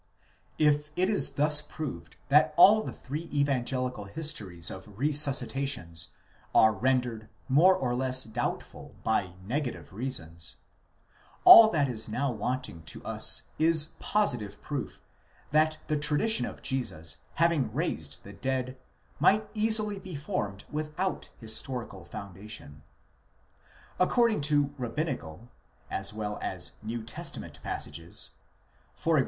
If it is thus proved that all the three evangelical histories of resuscitations are rendered more or less doubtful by negative reasons: all that is now wanting to us is positive proof, that the tradition of Jesus having raised the dead might easily be formed without historical foundation. According to rabbinical,®® as well as New Testament passsages (e.g.